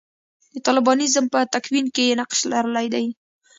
د طالبانیزم په تکوین کې یې نقش لرلی دی.